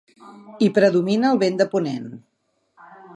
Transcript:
Hi predomina el vent de ponent.